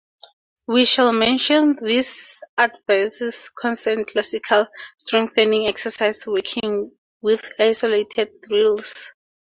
We shall mention theses advises concern classical strengthening exercise working with isolated drills.